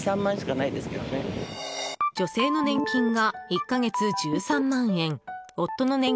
女性の年金が１か月１３万